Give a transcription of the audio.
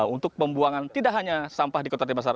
untuk pembuangan tidak hanya sampah di kota denpasar